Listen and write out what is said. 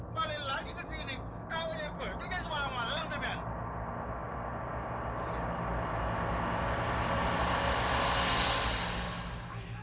balik lagi ke sini kamu yang berjaga semalam malam sebenarnya